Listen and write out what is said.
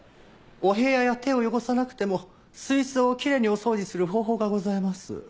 お部屋や手を汚さなくても水槽をきれいにお掃除する方法がございます。